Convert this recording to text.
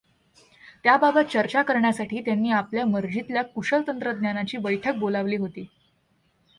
त्याबाबत चर्चा करण्यासाठी त्यांनी आपल्या मर्जीतल्या कुशल तंत्रज्ञांची बैठक बोलावली होती.